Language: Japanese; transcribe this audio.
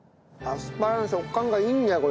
アスパラの食感がいいんだよ